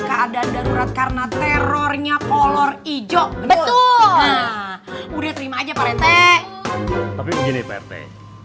keadaan darurat karena terornya kolor ijo betul udah terima aja pak rete tapi begini pak rete